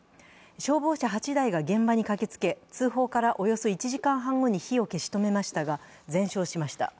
消防車８台が現場に駆けつけ通報からおよそ１時間半後に火を消し止めましたが、全焼しました。